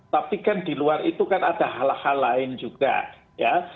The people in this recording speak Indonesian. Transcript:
tapi kan di luar itu kan ada hal hal lain juga ya